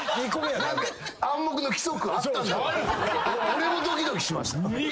俺もドキドキしました。